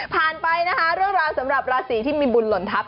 ไปนะคะเรื่องราวสำหรับราศีที่มีบุญหล่นทัพ